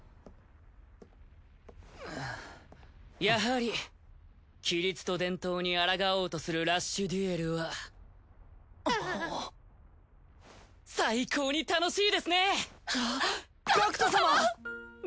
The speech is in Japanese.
やはり規律と伝統にあらがおうとするラッシュデュエルは最高に楽しいですね！